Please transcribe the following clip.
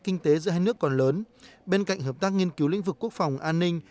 kinh tế giữa hai nước còn lớn bên cạnh hợp tác nghiên cứu lĩnh vực quốc phòng an ninh